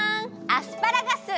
アスパラガス！